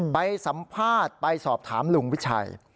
ไปสัมภาษณ์ไปสอบถามลุงวิชัย